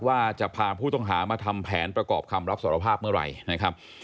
ว่าจะพาผู้ต้องหามาทำแผนประกอบคำรับสารภาพเมื่อไหร่นะครับ